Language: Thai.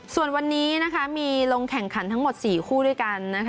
ส่วนวันนี้มีลงแข่งขันทั้งหมด๔คู่ด้วยกัน